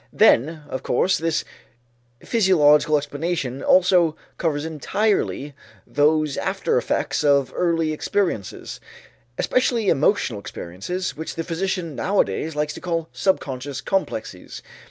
Then, of course, this physiological explanation also covers entirely those after effects of earlier experiences, especially emotional experiences, which the physician nowadays likes to call subconscious "complexes."